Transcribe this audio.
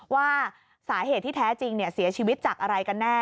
ว่าสาเหตุที่แท้จริงเสียชีวิตจากอะไรกันแน่